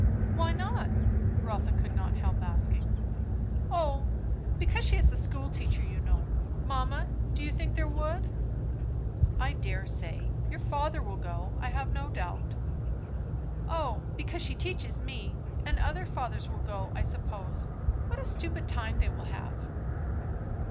"Why not?" Rotha could not help asking. "O, because she is a school teacher, you know. Mamma, do you think there would?" "I dare say. Your father will go, I have no doubt." "O, because she teaches me. And other fathers will go, I suppose. What a stupid time they will have!"